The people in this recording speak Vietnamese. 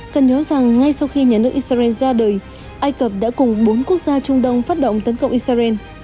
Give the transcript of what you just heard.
cần nhớ rằng ngay sau khi nhà nước israel ra đời ai cập đã cùng bốn quốc gia trung đông phát động tấn công israel